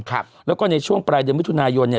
ครับแล้วก็ในช่วงปลายเดือนมิถุนายนเนี่ย